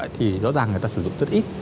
thì rõ ràng người ta sử dụng rất ít